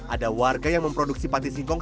ada warga yang memproduksi panti singkong